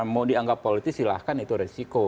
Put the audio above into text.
mau dianggap politis silahkan itu resiko